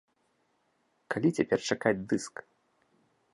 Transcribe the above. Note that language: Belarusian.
Калі цяпер чакаць дыск?